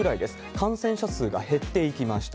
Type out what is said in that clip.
感染者数が減っていきました。